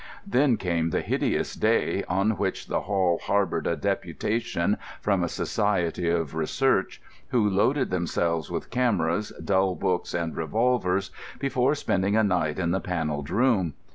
Then came the hideous day on which the Hall harboured a deputation from a Society of Research, who loaded themselves with cameras, dull books, and revolvers, before spending a night in the Panelled Room.